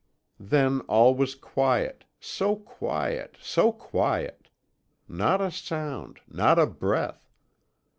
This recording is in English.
"Then all was quiet so quiet, so quiet! Not a sound, not a breath.